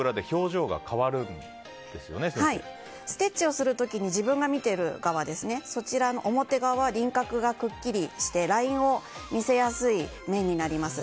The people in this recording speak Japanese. ステッチをする時に自分が見ている側のそちらの表側輪郭がくっきりしてラインを見せやすい面になります。